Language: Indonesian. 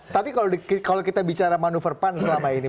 tapi kalau kita bicara manuver pan selama ini